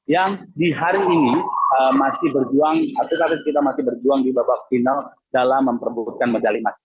yang di hari ini masih berjuang atlet atlet kita masih berjuang di babak final dalam memperbutkan medali emas